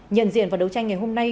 nhận diện vào đấu tranh ngày hôm nay